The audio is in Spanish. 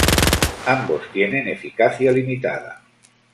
Ambos tienen eficacia limitada.